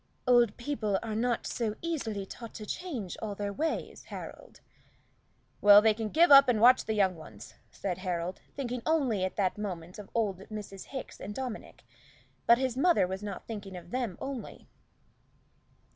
"Old people are not so easily taught to change all their ways, Harold." "Well, they can give up and watch the young ones," said Harold, thinking only at that moment of old Mrs. Hickes and Dominic. But his mother was not thinking of them only.